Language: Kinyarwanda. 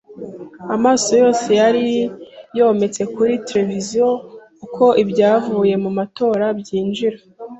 Amaso yose yari yometse kuri televiziyo uko ibyavuye mu matora byinjira.